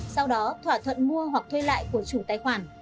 sau đó thỏa thuận mua hoặc thuê lại của chủ tài khoản